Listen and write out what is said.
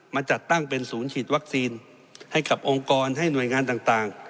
จัดตั้งเป็นศูนย์ฉีดวัคซีนให้กับองค์กรให้หน่วยงานต่าง